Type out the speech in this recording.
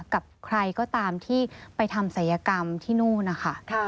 กับใครก็ตามที่ไปทำศัยกรรมที่นู่นนะคะ